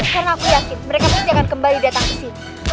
karena aku yakin mereka pasti akan kembali datang kesini